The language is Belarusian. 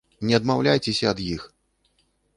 Не адмаўляйцеся ад іх!